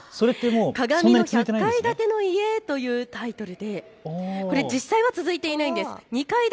鏡の１００階建ての家というタイトルで、これ実際は続いていないんです。